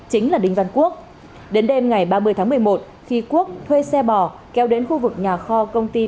chính là đinh văn quốc đến đêm ngày ba mươi tháng một mươi một khi quốc thuê xe bỏ kéo đến khu vực nhà kho công ty